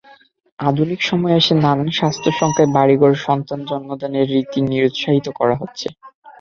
আধুনিক সময়ে এসে নানান স্বাস্থ্য-শঙ্কায় বাড়িঘরে সন্তান জন্মদানের রীতিকে নিরুত্সাহিত করা হয়েছে।